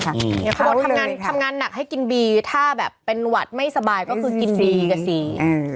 เขาบอกทำงานทำงานหนักให้กินบีถ้าแบบเป็นหวัดไม่สบายก็คือกินดีกับสี